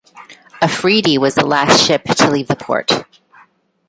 "Afridi" was the last ship to leave the port.